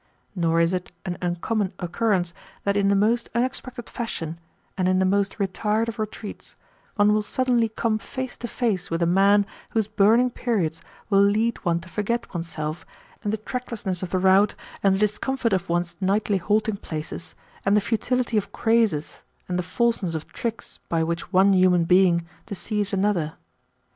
Nor is it an uncommon occurrence that in the most unexpected fashion, and in the most retired of retreats, one will suddenly come face to face with a man whose burning periods will lead one to forget oneself and the tracklessness of the route and the discomfort of one's nightly halting places, and the futility of crazes and the falseness of tricks by which one human being deceives another.